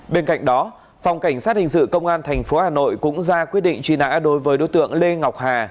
bên cạnh đó phòng cảnh sát hình sự công an tp hà nội cũng ra quyết định truy nã đối với đối tượng lê ngọc hà